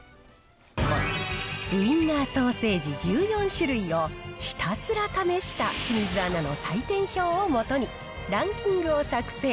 ウインナーソーセージ１４種類をひたすら試した清水アナの採点表を基に、ランキングを作成。